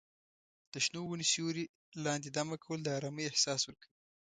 د شنو ونو سیوري لاندې دمه کول د ارامۍ احساس ورکوي.